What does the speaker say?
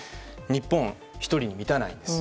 日本は１人に満たないんです。